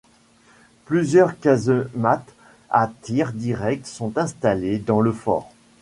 Plusieurs casemates à tir direct sont installées dans le fort.